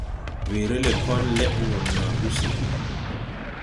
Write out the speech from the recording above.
Weere lɛkɔl lɛd wɔ naa gusi.